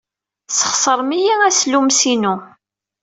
Tesxeṣrem-iyi aslummes-inu!